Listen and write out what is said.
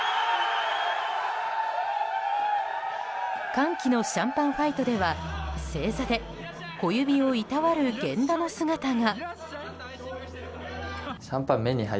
歓喜のシャンパンファイトでは正座で小指をいたわる源田の姿が。